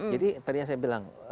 jadi tadinya saya bilang